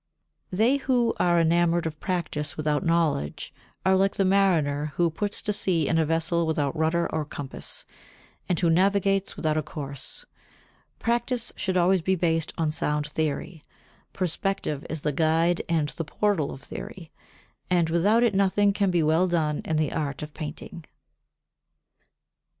They who are enamoured of practice without knowledge are like the mariner who puts to sea in a vessel without rudder or compass, and who navigates without a course. Practice should always be based on sound theory; perspective is the guide and the portal of theory, and without it nothing can be well done in the art of painting.